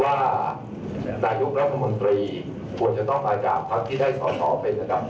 ว่านายุปรัฐมนตรีกว่าจะต้องมาจากภัคดิ์ที่ได้กระดดบอัน๑